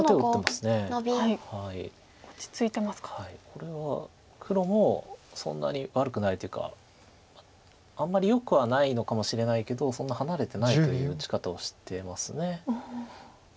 これは黒もそんなに悪くないというかあんまりよくはないのかもしれないけどそんな離れてないという打ち方をしてます。